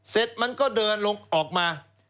เสร็จมันก็เดินลงออกมา